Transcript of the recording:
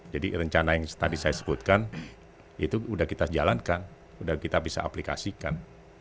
jadi rencana yang tadi saya sebutkan itu sudah kita jalankan sudah kita bisa aplikasikan